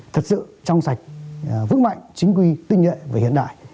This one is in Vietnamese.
thật sự trong sạch vững mạnh chính quy tinh nhận về hiện đại